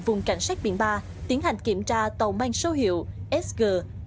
vùng cảnh sát biển ba tiến hành kiểm tra tàu mang số hiệu sg bảy nghìn một trăm chín mươi